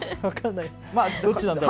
どっちなんだろう。